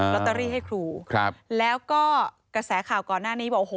ลอตเตอรี่ให้ครูครับแล้วก็กระแสข่าวก่อนหน้านี้บอกโอ้โห